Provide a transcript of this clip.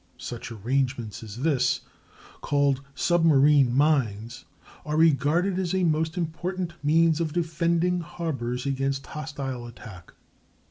Such arrangements as this, called submarine mines, are regarded as a most important means of defending harbors against hostile attack.